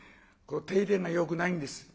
手入れがよくないんです。